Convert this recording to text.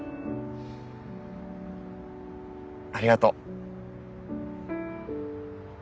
ありがとう。